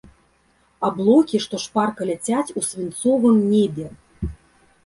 Аблокі, што шпарка ляцяць у свінцовым небе.